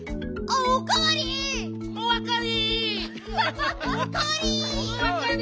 おわかり！